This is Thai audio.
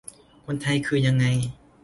คนไทยคือยังไง